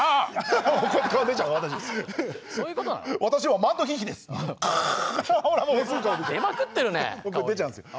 本当出ちゃうんですよ。